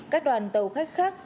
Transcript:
các đoàn tàu khách khác